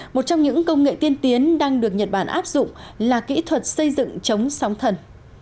một trong những công nghệ tiên tiến đang được nhật bản áp dụng là kỹ thuật xây dựng chống sóng thần